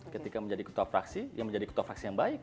ketika menjadi ketua fraksi dia menjadi ketua fraksi yang baik